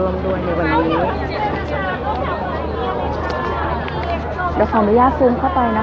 มีกลุ่มนักเรียนนักศึกษานะคะเข้ามาร่วมรวมในวันนี้